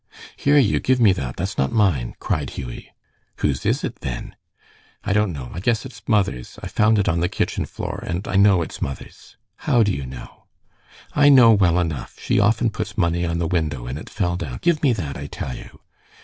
"Here, you, give me that! That's not mine," cried Hughie. "Whose is it, then?" "I don't know. I guess it's mother's. I found it on the kitchen floor, and I know it's mother's." "How do you know?" "I know well enough. She often puts money on the window, and it fell down. Give me that, I tell you!"